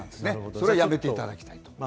それはやめていただきたいです。